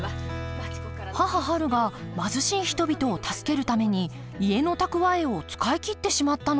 母はるが貧しい人々を助けるために家の蓄えを使い切ってしまったのです。